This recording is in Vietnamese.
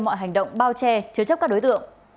mọi hành động bao che chứa chấp các đối tượng